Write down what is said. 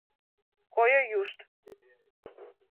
Койо юшт!